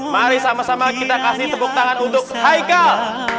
mari sama sama kita kasih tepuk tangan untuk haikal